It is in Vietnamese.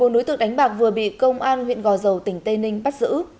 một mươi bốn đối tượng đánh bạc vừa bị công an huyện gò dầu tỉnh tây ninh bắt giữ